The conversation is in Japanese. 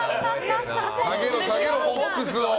下げろ下げろ、フォックスを。